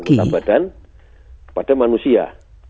perkembangan badan kepada manusia